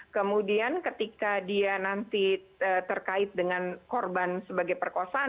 kemudian ketika dia nanti terkait dengan korban sebagai perkosaan